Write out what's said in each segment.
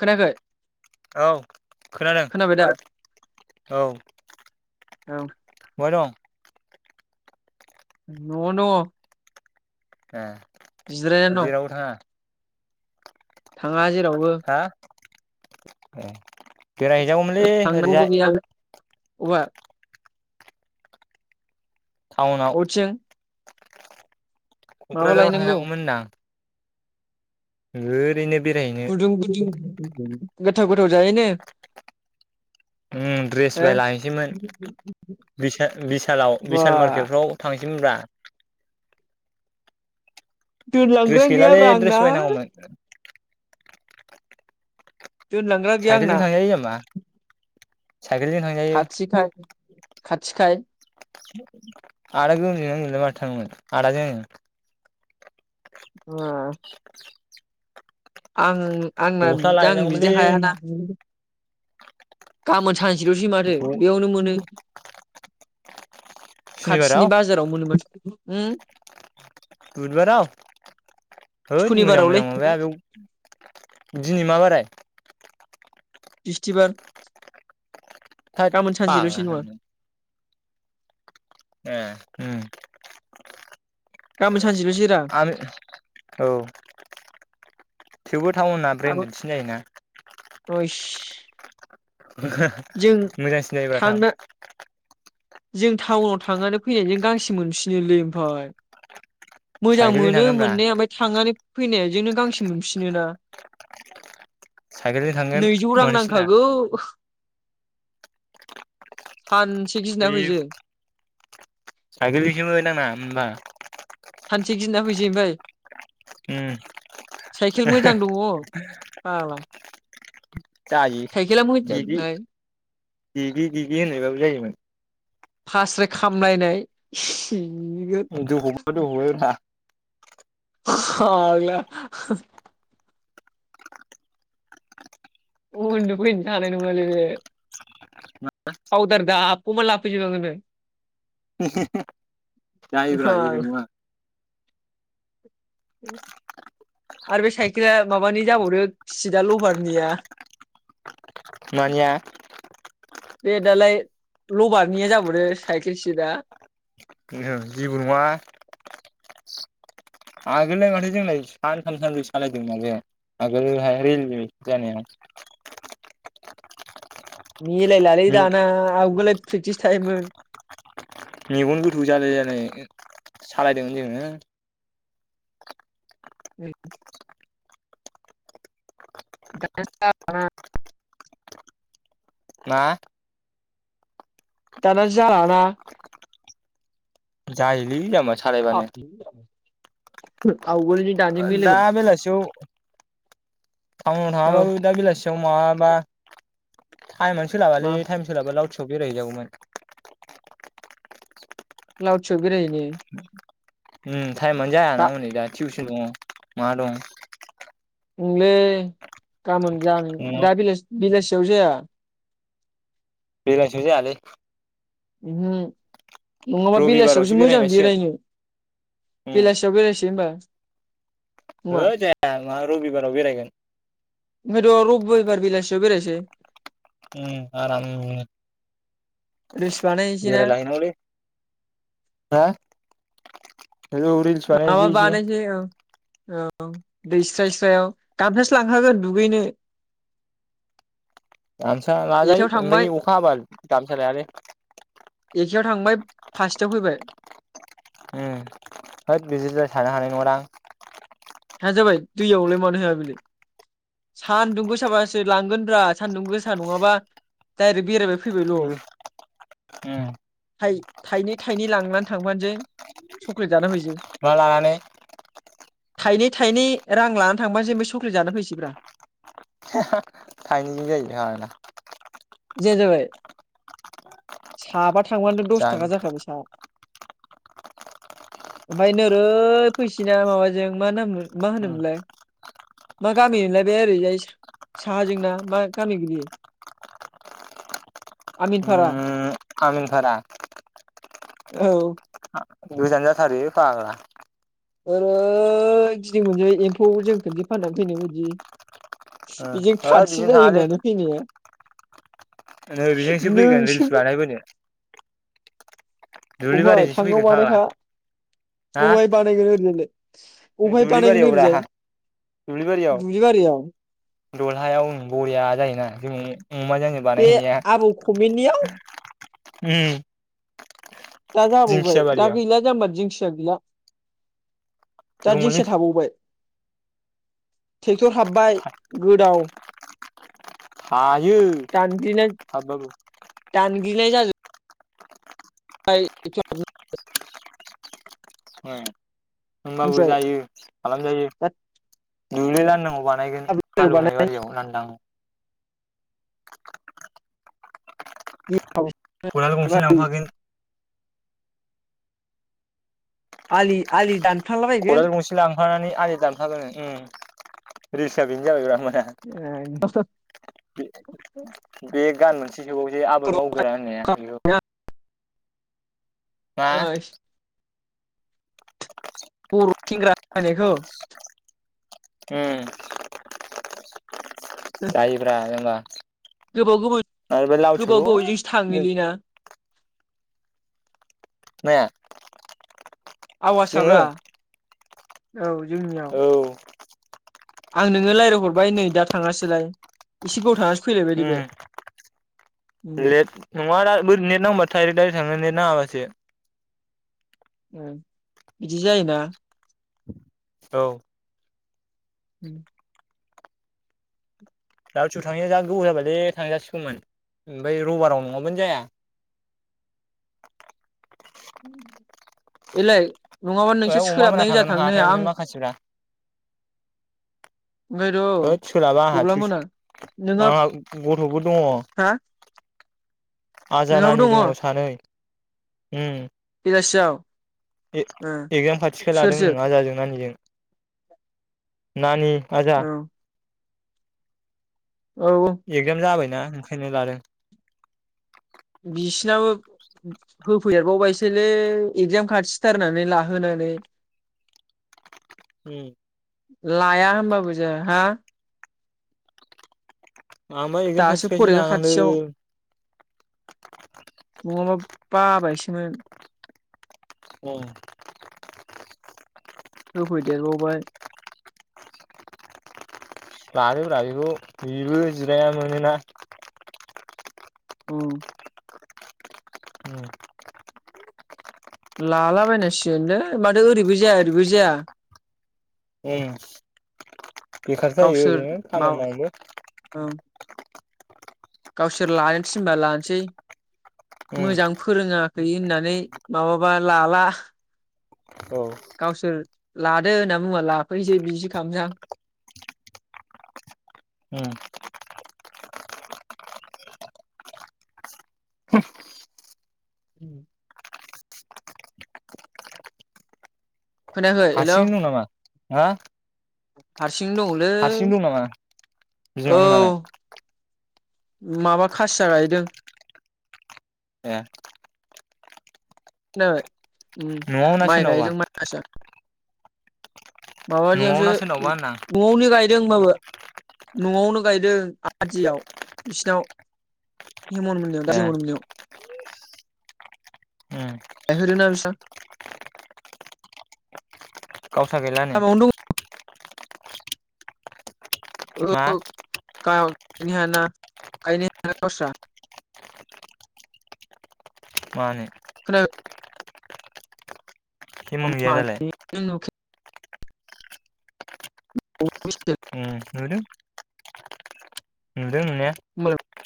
खोनायाखै औ खोनादों खोनाबाय दा औ औ बहाय दं? न'आवनो दङ ए जिरायनानै दं जेरावबो थाङा थाङा जेरावबो हा ए बेरायहैजागौमोनलै थांनांगौबो ओरैजाय गैया अबा टाउनाव, अबेथिं माबा क'क्राझाराव लायनांगौ थांनांगौमोन होनदां। ओरैनो बेरायहैनो गुदुं गिदिं गोथाव गोथाव जाहैनो ओम ड्रेस बायलाहैसैमोन बिसा बिसालाव बा बिसाल मार्केटफ्राव थांसैमोनब्रा द्रेस दोनलांग्रायानो गैलालै गैयाब्रा द्रेस आंना बायनांगौमोन दोनलांग्राया गैया साइकेलजों आंना थांजायो नामा साइकेलजों थांजायो खाथिखाय खाथिखाय [unintelligible] आदाजों आंजों ओ [inaudible] आङो आंना गस्ला बिदि आं लायनांगौमोनलै बिदि हायाना गामोन थांस [unintelligible] माथो बेयावनो मोनो सुनिबाराव खाथिनि बाजाराव मोनो माथो ओम बुदबाराव होद मोजां सनिबारावलै मोजां माबाया बेयाव दिनै मा बाराय? बिस्थिबार। थोद गाबोन सानसेल'सै पाग्ला नङा होन। ए उम। गाबोन सानसेल'सै रा आनो औ। थेवबो थाउनना आबो ब्रेन्डेडसिन जायोना। ओइस जों मोजांसिन जायोब्रा थांना थां। जों थाउनाव थांनानै फैनायजों गांसे मोनफिनोलै ओमफाय। मोजां साइकेलजों मोनो थांगोनब्रा मोननाया ओमफाय थांनानै फैनायजोंनो गांसे मोनफिनो ना। साइकेलजों थांगोन नैजौ रां मानोसिना नांखागौ। सानसे गिदिना फैसै। साइकेल जोंसोमोन आंना होमबा। सानसे गिना फैसै ओमफाय। उम साइकेल मोजां दङ फाग्ला। जायो साइकेला गिगि मोजांखाय गिगि गिगि होननायबाबो जायोमोन। फास्राय खामलायनाय। सिगोन [unintelligible] फाग्ला। उन्दु फैनोनो हानाय नङा नोङो फावदार दाफबना लाफैजोबनागोन नोङो। जायोब्रा जेबो नङा। आरो बे साइकेला माबानि जाबावदो सिटआ लबारनिया। मानिया? बे दालाय लबारनिया जाबावदो साइकेल सिटआ। ओं जेबो नङा। आगोललाय माथो जोंलाय सानथाम सानब्रै सालायदोंमोन बे आगोलोहाय रिेलि जानायाव। मिलायलालै दाना आवगोलो फ्रिकटिस थायोमोन। मेगन गोथौ जालाय लायनाय सालायदोंमोन जोङो। [inaudible] [unintelligible] मा? दाना जालाना। जायोलै जाम्बा। सालायबानो [unintelligible] [inaudible] दानि दा मिलायबाव बेलासेयाव थावनाव औ थाङाबाबो दाबिलासि याव माबाबा टाइमआनो मा सोलाबालै टाइम सोलाबा लावथि सफ बेरायहैजागौमोन लावथिआव बेरायहैनो उम टाइमानो जायाना हनै दा टिउसन दङ मा दं उंलै गामोन जानो दा बिलासि बिलासि जावजाया बेलासियाव जायालै ओहो नङाबा रबिबारावसो बेलासियावसो मोजां बेरायहैनांसिगोन बेरायनो उम बेलासियाव बेरायसै होनबा नङा हो जाया मा रबिबाराव बेरायगोन ओंखायथ' रुबबिबारबा बेलासियाव बेरायसै उम आरामनो रिल्स बानायनोसै ना बेेरायलाहैनांगौलै हा औ रिल्स माबा बानायनोसै एसे बानायसै ओ औ दैस्राय स्रायाव गामसासो लांखागोन दुगैनो गामसा लाजायो एकथायाव थांबाय ओमफाय अखा हाबा गामसा लायालै एखेयाव थांबाय फासथायाव फैबाय ओ होद बिदिद्राय थानो हानाय नङदां हाया जाबाय दैयावलाय मानो हाया बेलाय सानदुं गोसाबासो लांगोन ब्रा सान्दुं गोसा नङाबा डाइरेक्ट बेरायबाय फैबायल' ओ उम थाइनै थाइनै लांनानै थांफासै जों सकलेट मा लानानै थाइनै थाइनै रां लानानै थांफासै ओमफाय चक्लेट जाना फैसैब्रा हाहा थाइनैजों जायो नामारा जाया जाबाय साबा थांबानो दस जायो थाखा जाखाबाय सा ओमफाय नोरै फैसिना माबाजों मा नाम हो उम माहानोमोनलाय मा गामि मोनलाय बे ओरैजाय सा साहाजोंना मा गामि गोलैयो आमिनफारा आमिनथारा औ। गोजान जाथारो पाग्ला। ओरै गिदिं बोनोसै एम्फौ जों खनसे फाननानै फैनाय बायदि। इजों होद खाथि बिजों जायो थाङालै होननानै फैनाया। नै बेजोंसो फैगोन नोंसो रिल्स बानायबोनो अबेहाय दुब्लिबारिजोंसो थांनायाव फैगोन फाग्ला बानायखा। हा अबेहाय बानायगोन नोंलाय अबेहाय बानायगोन दुब्लिबारियावब्रा ओरैजाय दुब्लिबारियाव दुब्लिबारियाव? दलहायाव ओं बरिया जायोना जोंनि बे आबौ खमिनियाव? उम। दा जाबावबाय दिंखिया दा बारियाव गैला जाम्बा दिं थै गैला दा दङलै दिंखिया थाबावबाय? टेक्टर हाबबाय गोदाव। [unintelligible] इयो हाबबाबो। बिलाय जायो आइ [unintelligible] ओं। होनबाबो जायो खालामजायो दुब्लि लांदांआव बानायगोन हालेवनायबारियाव लांदां। खदाल दा गंसे लांफागोन। आलि आलि दान खदाल खारलाबायैगोन गंसे लांफानानै आलि दानफागोन उम रिल्सा बेनो जाबायब्रा होन [unintelligible] [unintelligible] बे गान मोनसे फिसौजो आबोद मावगोरा होननाया इयो। ओस [unintelligible] होननायखौ? उम। जायोब्रा जाम्बा। गोबाव गोबाव गोबाव गोबावजोंसो सौल' थाङोलैना? माया? जोङो आवासाब्रा औ जोंनियाव औ आं नोङो लायरायहरबाय नै दा थाङासैलाय एसे गोबाव थाङासै उम उम लेट नङा दा बो नेट नांबाथाय दायरेख थाङो नेट नांङाबासो। उम बिदि जायोना? औ। उम। लालसु थाङैया‌ जा‌ गोबाव जाबायलै थांजासिगौमोन ओमफ्राय रबाराव नङाबानो जाया। एलाय नङाबा ए नोंसोर अमा मोना सोलाबनाय गोजा थांगोन थांनो हाथाय ओमफ्राय आं माखासेफ्रा ओमफ्राय र' होद सोलाबा आंहा गब्ला टिउस मोना नोंहा आंहा गथ'बो दङ हा आजा नानि दङ सानै। उम। [unintelligible] एग एगजाम खाथिखाय सोर लादों सोर ओं आजाजों नानिजों। नानि आजा औ औ औ एगजाम जाबाय। ना ओंखायनो लादों। बिसिनाबो होफैदेरबावबायसैलै एगजाम खाथिथारनानै लाहोनानै। उम। लाया होनबाबो जाया हा। आंबा एगजाम दासो खाथिखायसो फरिखा लानांदों। खाथियाव नङाबा। बाबायसोमोन। औ। होफैदेरबावबाय। लादोब्रा बेखौ बेबो जिराया मोनोना। उम। उम लालाबायनांसिगोन लै माथो ओरैबो जाया ओरैबो जाया। बेखारसो जायो गावसोर ओरैनो माव खामानि मावनोबो। ओं गावसोर लानो थिनबा लानोसै। उम। मोजां फोरोङा। खै होननानै माबाबा लाला। औ गावसोर लादो होनना बुङा लाफैनोसै बिदिसो खामसां। उम उम। खोनायाखै हेलौ। हारसिं दं नामा? हा [unintelligible] सिं दङलै हारसिं दं नामा बिमा औ मोनालाय? माबा खासिया गायदों ए खोनाबाय उम न'आव ना माइ सोरनावबा गायदों माइ [unintelligible] न'आव माबानियावसो ना सोरनावबा होनदां [unintelligible] होनबाबो न'आवनो गायदों आदियाव बिसिनाव ए हेमनमोननियाव [unintelligible] उम गायहोदोंना बिस्रा गावसा गैलानो लामायावनो दं मा [unintelligible] गायनो हाया गावस्रा मानो [inaudible] हेमन गैया दालाय [unintelligible] ओम नुदों दों नुनाया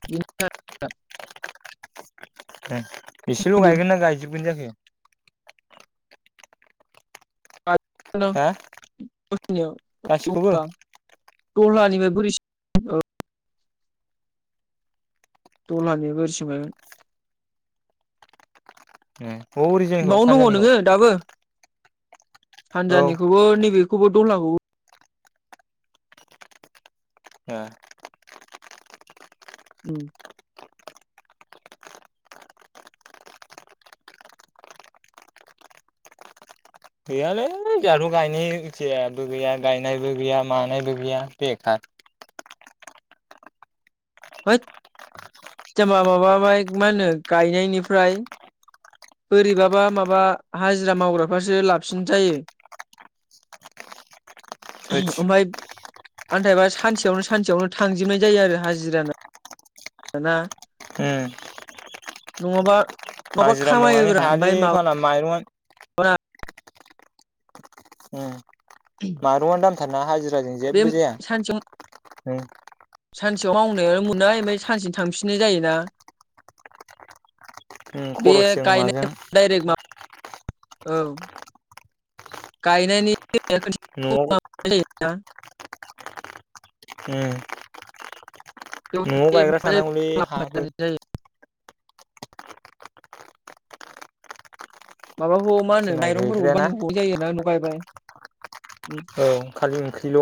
[unintelligible] [unintelligible] ओम बेसेल' गायगोन ना गायजोबगोन जाखो हा [unintelligible] गासिखौबो? दलहानिफ्राय बोरिसि [unintelligible] दलहानिफ्राय बोरिसिम गायगोन ए हरैजोंनिखौ बावनो दङ सानजानिखौ नोङो दाबो औ सानजानिखौबो नैबे खौबो दलहाखौ ए उम गैयालै जोंहाथ' गायनाय इथियाबो गैया गायनायबो गैया मानायबो गैया बेखार है जेनबा माबाबाय मा होनो गायनायनिफ्राय बोरैबाबा माबा हाजिरा मावग्राफोरासो लाफसिन जायो [unintelligible] [unintelligible] थोदस आन्थायबा सानसेयावनो सानसेयावनो थांजोबनाय जायो आरो हाजिरानो दाना उम नङाबा माबा हाजिरा मावनानै खामायोब्रा ओमफ्राय हायालै माबा फाग्ला माइरंआ [unintelligible] मायरंआ दाम थारना हाजि जायजों बे जेबो जाया सानसेयाव उम्म सानसेयाव मावनायाव मोननाय ओमफाय सानसेनो थांफिननाय जायोना। उम बे खरसजों माजों गायनाय दायरेक्ट माबा ओं गायनायनि न'आव [inaudible] ना उम्म न'आव गायग्रा थानांगौलै हाफोर माबाखौ मा होनो जोंना माइरंफोरखौ गैद्रायाना बायनांगौ जायोना न बाय बाय औ खालि ओंख्रिल'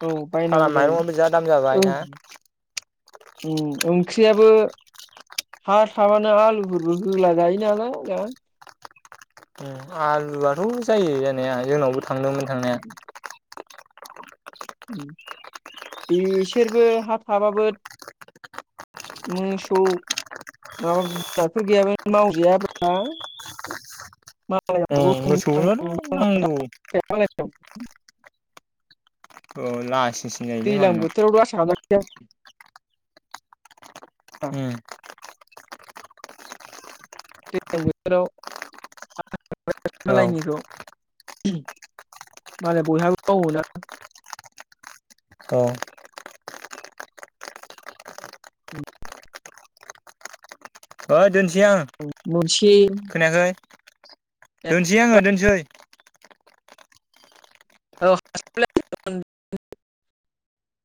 औ बायनांगौ सालान जायो माइरंआबो जा दाम जाबाय ना? ओं ओंख्रियाबो हा थाबानो आलुफोरबो होला जायो नालाय ना? ओं आलुआथ' जायो जानाया जोंनावबो थ' थांदोंमोन थांनाया उम्म बेसोरबो हा थाबाबो मोसौ माबा जुनारफोर गैयाब्ला मावजाया ब्रा ओं मोसौनोनो नांगौ। मालायनाव औ लास दैज्लां बोथोराव [unintelligible] औ [unintelligible] उम्म दैज्लां बोथोराव [inaudible] औ मालायनिखौ मालाय बयहाबो मावोना औ ओय दोनस मनसिं दोनसै आंङो दोनसै [inaudible]